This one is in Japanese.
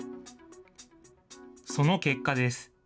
その結果です。